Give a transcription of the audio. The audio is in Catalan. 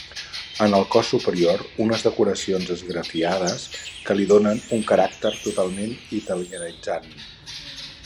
En el cos superior unes decoracions esgrafiades que li donen un caràcter totalment italianitzant.